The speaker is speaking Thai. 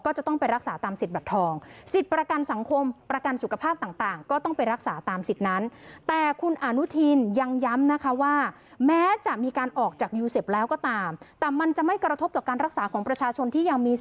ก็จะต้องไปรักษาตามสิทธิ์บัตรทอง